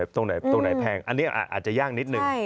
ตรงไหนแพงอันนี้อาจจะยากนิดนึง